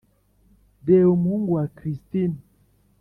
reba umuhungu wa christine